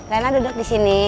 rena duduk disini